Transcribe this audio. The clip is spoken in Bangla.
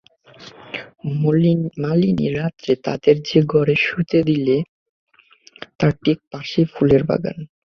মালিনী রাত্রে তাদের যে ঘরে শুতে দিলে, তার ঠিক পাশেই ফুলের বাগান।